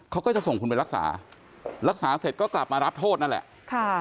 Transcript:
เขาก็จะส่งคุณไปรักษารักษาเสร็จก็กลับมารับโทษนั่นแหละค่ะ